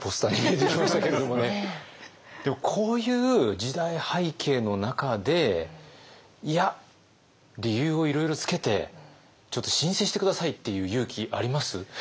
でもこういう時代背景の中でいや理由をいろいろつけてちょっと「申請してください」って言う勇気あります？